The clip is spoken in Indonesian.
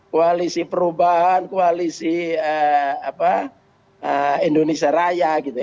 koalisi perubahan koalisi indonesia raya gitu ya